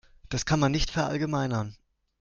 Das kann man nicht verallgemeinern.